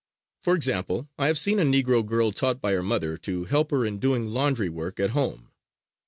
For example, I have seen a Negro girl taught by her mother to help her in doing laundry work at home.